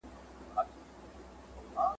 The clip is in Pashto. چي پیدا کړی خالق انسان دی `